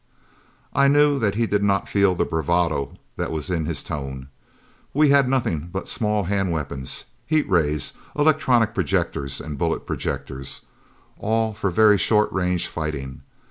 I knew that he did not feel the bravado that was in his tone. We had nothing but small hand weapons: heat rays, electronic projectors, and bullet projectors. All for very short range fighting.